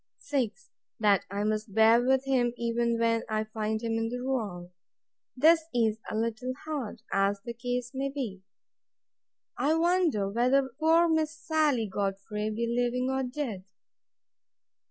6. That I must bear with him, even when I find him in the wrong. This is a little hard, as the case may be! I wonder whether poor Miss Sally Godfrey be living or dead!